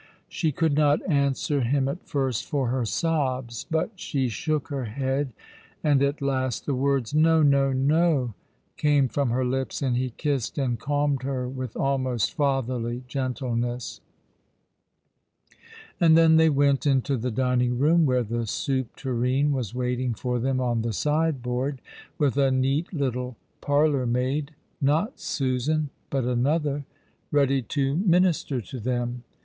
She could not answer him at first for her sobs, but she shook her head, and at last the words, " No, no, no," came from her lips ; and he kissed and calmed her with almost fatherly gentleness. And then they went into the dining room, where the soup tureen was waiting for them on the sideboard, with a neat little parlour maid — not Susan, but another — ready to minister to them.